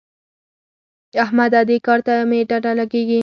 احمده! دې کار ته مې ډډه لګېږي.